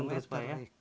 tiga meter ya